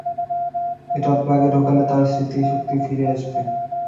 এটা প্লাগে ঢোকালে তার স্মৃতি ফিরে আসবে।